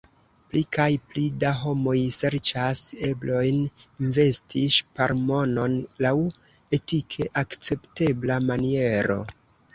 Pli kaj pli da homoj serĉas eblojn investi ŝparmonon laŭ etike akceptebla maniero.